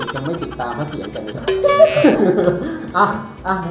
ยังไม่ติดตามให้เสียงกันอีก